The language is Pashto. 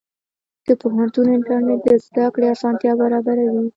د پوهنتون انټرنېټ د زده کړې اسانتیا برابروي.